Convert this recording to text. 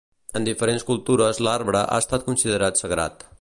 En diferents cultures l'arbre ha estat considerat sagrat.